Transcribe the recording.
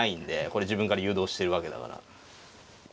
これ自分から誘導してるわけだから。